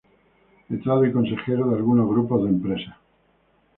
Letrado y consejero de algunos grupos de empresas.